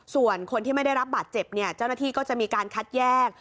ส่วนคนที่ไม่ได้รับบาดเจ็บเนี่ยเจ้าหน้าที่ก็จะมีการคัดแยก